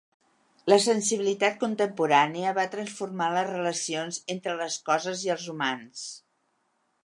La sensibilitat contemporània va transformar les relacions entre les coses i els humans.